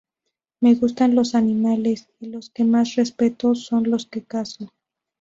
Me gustan los animales y los que más respeto son los que cazo.